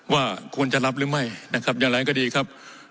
ว่าควรจะรับหรือไม่นะครับอย่างไรก็ดีครับ